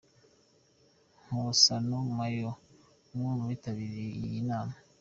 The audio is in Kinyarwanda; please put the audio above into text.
Nkosana Moyo, umwe mubitabiriye iyi nama.